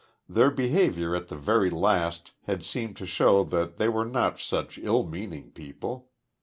Their behaviour at the very last had seemed to show they were not such ill meaning people.